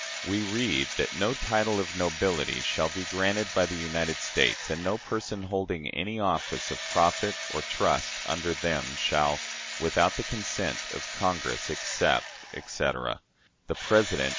We read that "no title of nobility shall be granted by the United States, and no person holding any office of profit or trust under them shall, without the consent of Congress, accept," etc. "The President